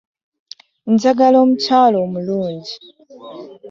Njagala omukyala omulungi